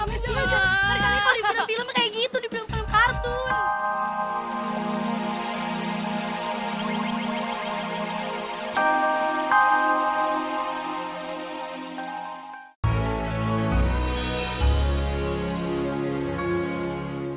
ayo jogja mari kali kalau di film film kayak gitu di film film kartun